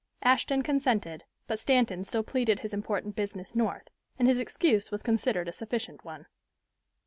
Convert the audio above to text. Ashton consented, but Stanton still pleaded his important business North, and his excuse was considered a sufficient one.